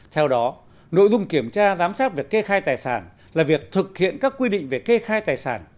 theo đó nội dung kiểm tra giám sát việc kê khai tài sản là việc thực hiện các quy định về kê khai tài sản